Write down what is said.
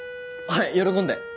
はい喜んで！